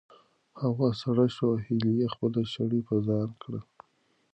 هوا سړه شوه او هیلې خپله شړۍ په ځان کړه.